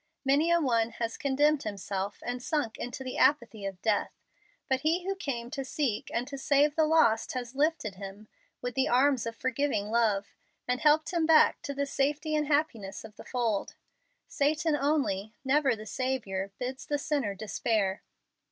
Many a one has condemned himself and sunk into the apathy of death, but He who came to seek and to save the lost has lifted him with the arms of forgiving love, and helped him back to the safety and happiness of the fold. Satan only, never the Saviour, bids the sinner despair.